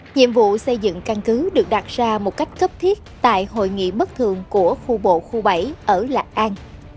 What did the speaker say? nhiệm vụ xây dựng căn cứ được đặt ra một cách cấp thiết tại hội nghị bất thường của khu bộ khu bảy ở lạc an